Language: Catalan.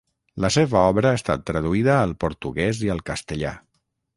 La seva obra ha estat traduïda al portuguès i al castellà.